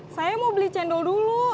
saya mau beli cendol dulu